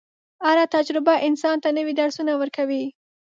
هره تجربه انسان ته نوي درسونه ورکوي.